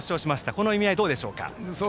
この意味合いはどうでしょうか。